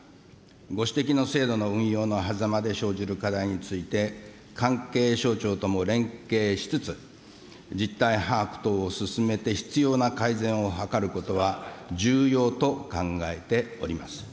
ご指摘の制度の運用のはざまで生じる課題について、関係省庁とも連携しつつ、実態把握等を進めて、必要な改善を図ることは重要と考えております。